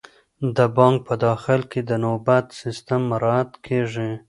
د بانک په داخل کې د نوبت سیستم مراعات کیږي.